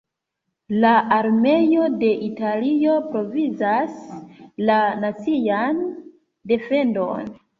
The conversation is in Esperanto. La armeo de Italio provizas la nacian defendon.